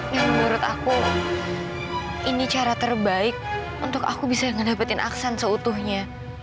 dan menurut aku ini cara terbaik untuk aku bisa ngedapetin aksan seutuhnya